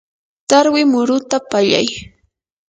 tarwi muruta pallay.